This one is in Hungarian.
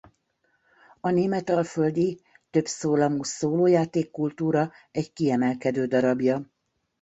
A németalföldi többszólamú szólójáték-kultúra egy kiemelkedő darabja.